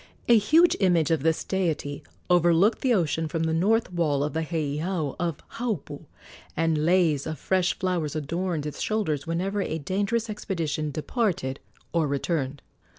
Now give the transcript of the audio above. A huge image of this deity overlooked the ocean from the north wall of the heiau of Haupu, and leis of fresh flowers adorned its shoulders whenever a dangerous expedition departed or returned.